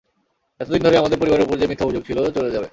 এতদিন ধরে আমাদের পরিবারের উপর যে মিথ্যে অভিযোগ ছিল চলে যাবে।